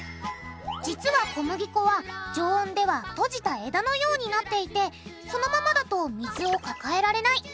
実は小麦粉は常温では閉じた枝のようになっていてそのままだと水を抱えられない。